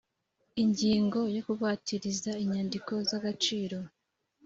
ingingo ya kugwatiriza inyandiko z agaciro